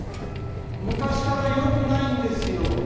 昔からよくないんですよ。